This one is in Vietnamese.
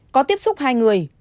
có tiếp xúc hai người